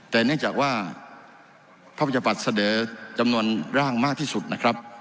แต่เนื่องจากว่าพระประชาปัตย์เสนอจำนวนร่างมากที่สุดนะครับ